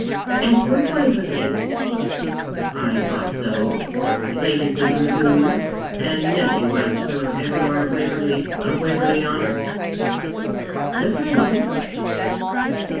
'Edward Waverley.' 'I thought so; late of the dragoons, and nephew of Sir Everard Waverley of Waverley Honour?' 'The same.'